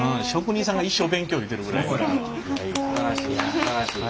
すばらしい。